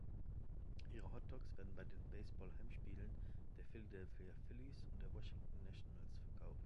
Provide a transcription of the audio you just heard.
Ihre Hot Dogs werden bei den Baseball-Heimspielen der Philadelphia Phillies und der Washington Nationals verkauft.